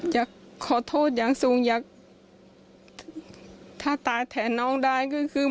อยากขอโทษอย่างสูงอยากถ้าตายแทนน้องได้ก็คือ